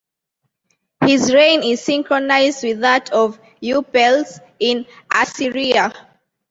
His reign is synchronised with that of Eupales in Assyria.